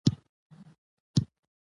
هغه خلک چې خوشاله وي، عمر اوږد لري.